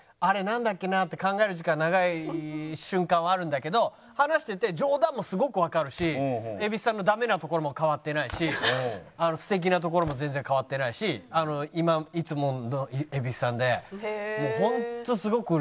なんだっけな？って考える時間長い瞬間はあるんだけど話してて冗談もすごくわかるし蛭子さんのダメなところも変わってないし素敵なところも全然変わってないしいつもの蛭子さんでもうホントすごく嬉しかったです。